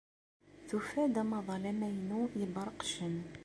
Tufa-d amaḍal amaynu yebbreqcen..